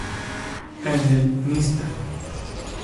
En el "Mr.